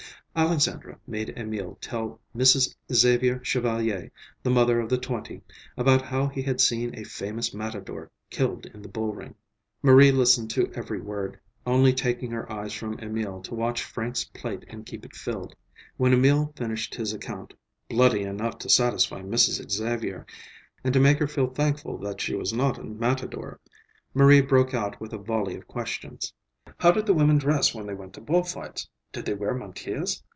Alexandra made Emil tell Mrs. Xavier Chevalier, the mother of the twenty, about how he had seen a famous matador killed in the bull ring. Marie listened to every word, only taking her eyes from Emil to watch Frank's plate and keep it filled. When Emil finished his account,—bloody enough to satisfy Mrs. Xavier and to make her feel thankful that she was not a matador,—Marie broke out with a volley of questions. How did the women dress when they went to bull fights? Did they wear mantillas?